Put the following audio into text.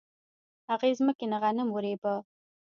هغې ځمکې نه غنم ورېبه